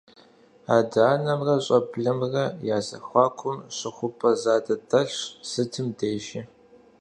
Адэ-анэмрэ щӀэблэмрэ я зэхуакум щыхупӀэ задэ дэлъщ сытым дежи.